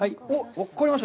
分かりました。